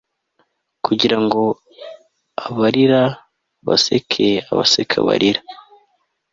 Kugira ngo abarira baseke abaseka barira